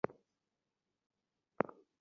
ওনাকে কল দে রে, ভাই।